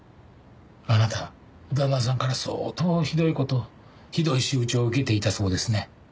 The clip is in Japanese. あなた旦那さんから相当ひどい事をひどい仕打ちを受けていたそうですね。